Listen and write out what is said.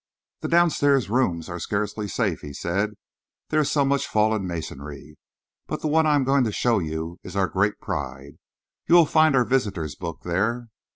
"The downstairs rooms are scarcely safe," he said, "there is so much fallen masonry, but the one I am going to show you is our great pride. You will find our visitors' book there."